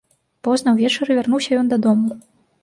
Позна ўвечары вярнуўся ён дадому.